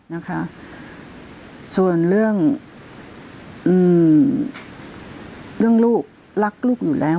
นะคะส่วนเรื่องอืมเรื่องเรื่องลูกรักลูกอยู่แล้ว